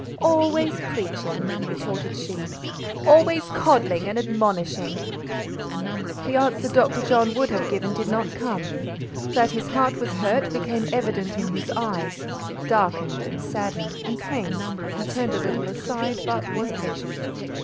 "Always preaching," retorted she; "always coddling and admonishing." The answer Dr. John would have given did not come; that his heart was hurt became evident in his eye; darkened, and saddened, and pained, he turned a little aside, but was patient.